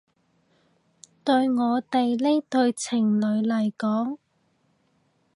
對我哋呢對情侶嚟講